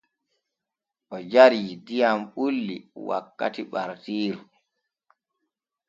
O jarii diyam bulli wakkati ɓartiiru.